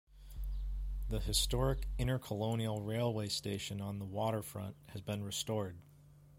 The historic Intercolonial Railway station on the waterfront has been restored.